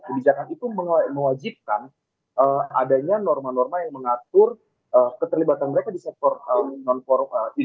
kebijakan itu mewajibkan adanya norma norma yang mengatur keterlibatan mereka di sektor non formal